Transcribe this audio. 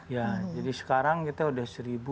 ya jadi sekarang kita sudah satu empat ratus